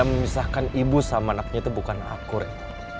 dia memisahkan ibu sama anaknya itu bukan aku rey